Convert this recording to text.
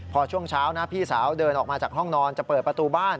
พอช่วงเช้านะพี่สาวเดินออกมาจากห้องนอนจะเปิดประตูบ้าน